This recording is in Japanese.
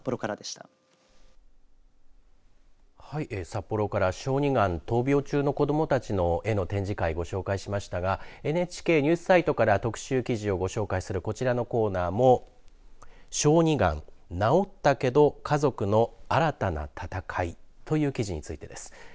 札幌から小児がん闘病中の子どもたちの絵の展示会をご紹介しましたがＮＨＫニュースサイトから特集記事をご紹介するこちらのコーナーも小児がん治ったけど家族の新たな闘いという記事についてです。